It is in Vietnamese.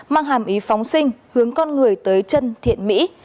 mang hàm ý phóng sinh hướng con người tới chân thiện mỹ